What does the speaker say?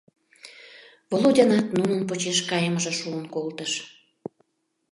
Володянат нунын почеш кайымыже шуын колтыш.